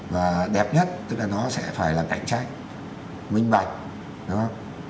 và đẹp nhất tức là nó sẽ phải là cảnh trách minh bạch đúng không